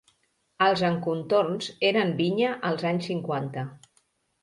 Els encontorns eren vinya als anys cinquanta.